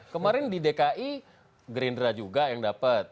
kemarin di dki gerindra juga yang dapat